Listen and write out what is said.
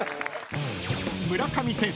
［村上選手